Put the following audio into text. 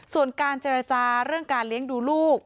ส่วนการเจรจาเรื่องการเลี้ยงดูลูก